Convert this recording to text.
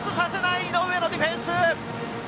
井上のディフェンス。